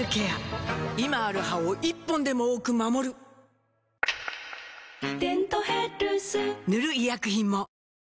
今ある歯を１本でも多く守る「デントヘルス」塗る医薬品も